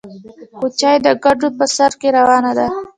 کوچۍ د کډو په سر کې روانه ده